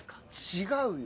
違うよ！